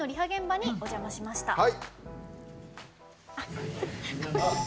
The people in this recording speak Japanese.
現場にお邪魔しました。